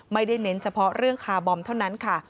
ไม่ได้เน้นเฉพาะเรื่องคาบอมเท่านั้นค่ะ